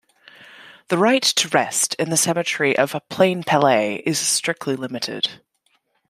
The right to rest in the cemetery of Plainpalais is strictly limited.